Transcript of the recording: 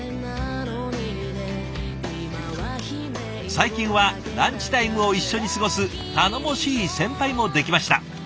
最近はランチタイムを一緒に過ごす頼もしい先輩もできました。